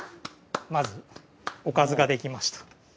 まずおかずが出来ました。